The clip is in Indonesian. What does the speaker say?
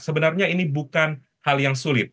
sebenarnya ini bukan hal yang sulit